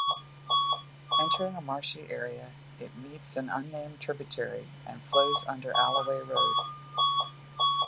Entering a marshy area, it meets an unnamed tributary and flows under Alloway Road.